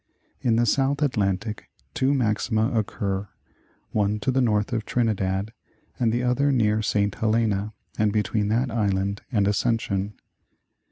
In the South Atlantic two maxima occur, one to the north of Trinidad, and the other near St. Helena and between that island and Ascension.